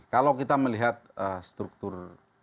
kalau kita melihat struktur